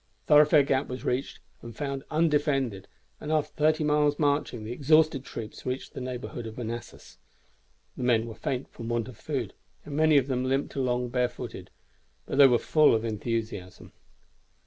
Thoroughfare Gap was reached, and found undefended, and after thirty miles' marching the exhausted troops reached the neighborhood of Manassas. The men were faint from want of food, and many of them limped along barefooted; but they were full of enthusiasm.